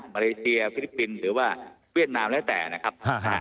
มาเลเซียฟิลิปปินส์หรือว่าเวียดนามแล้วแต่นะครับ